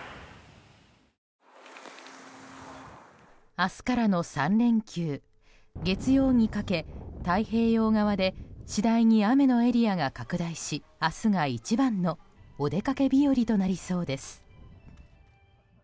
明日からの３連休月曜日にかけ太平洋側で次第に雨のエリアが拡大し明日が一番のお出かけ日和となりそうです。